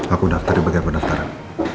aku daftar di bagian pendaftaran